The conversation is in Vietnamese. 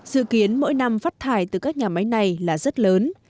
dự kiến mỗi năm phát thải từ các nhà máy này là rất lớn